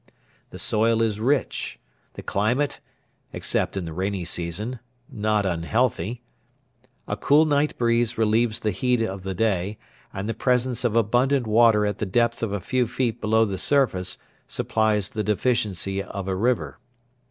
The soil is rich; the climate, except in the rainy season, not unhealthy. A cool night breeze relieves the heat of the day, and the presence of abundant water at the depth of a few feet below the surface supplies the deficiency of a river.